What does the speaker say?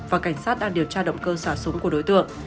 và cảnh sát đang điều tra động cơ xả súng của đối tượng